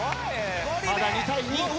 まだ２対２。